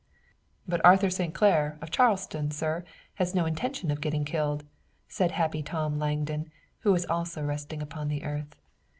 "But Arthur St. Clair, of Charleston, sir, has no intention of getting killed," said Happy Tom Langdon, who was also resting upon the earth.